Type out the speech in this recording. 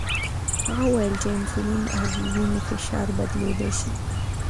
هغه وویل چې انسولین او وینې فشار بدلیدلی شي.